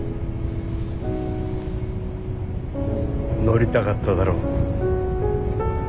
乗りたかっただろ。